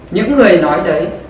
những người nói đấy